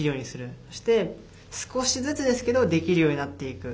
そして、少しずつですけどできるようになっていく。